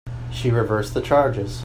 She reversed the charges.